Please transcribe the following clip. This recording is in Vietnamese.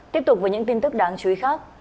tiếp tục với những tin tức đáng chú ý khác